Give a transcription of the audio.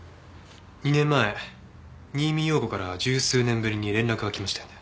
２年前新見陽子から十数年ぶりに連絡が来ましたよね？